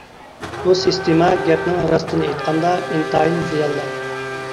بۇ سىستېما گەپنىڭ راستىنى ئېيتقاندا ئىنتايىن زىيانلىق.